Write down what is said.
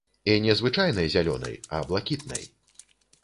І не звычайнай зялёнай, а блакітнай.